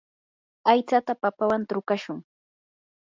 aytsata papawan trukashun.